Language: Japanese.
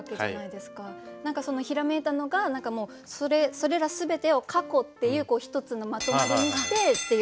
何かそのひらめいたのがもうそれら全てを過去っていう一つのまとまりにしてっていう。